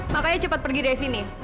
makanya cepat pergi dari sini